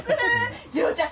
次郎ちゃん